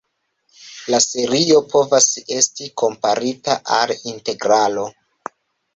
La serio povas esti komparita al integralo.